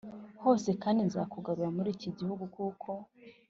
Hose kandi nzakugarura muri iki gihugu kuko